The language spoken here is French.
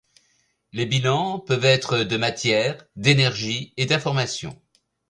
Les bilans peuvent être de matière, d’énergie et d’information.